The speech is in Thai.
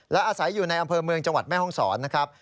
และอาศัยอยู่ในอำเภอเมืองจังหวัดแม่ห้องศรนะครับ